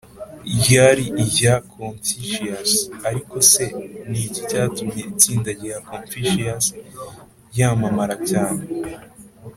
ryari irya confucius. ariko se ni iki cyatumye itsinda rya confucius ryamamara cyane?